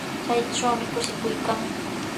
Chaytrawmi kushikuy kan.